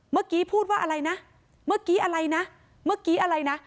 เมื่อกี้พูดว่าอะไรนะเมื่อกี้อะไรนะเมื่อกี้อะไรนะ